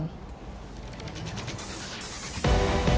penerimaan pajak dua ribu dua puluh dua